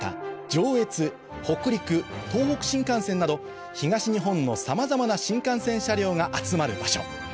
上越北陸東北新幹線など東日本のさまざまな新幹線車両が集まる場所